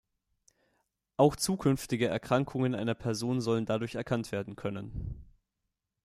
Auch zukünftige Erkrankungen einer Person sollen dadurch erkannt werden können.